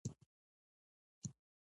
• بښل یعنې د ماضي بوج پرېښودل.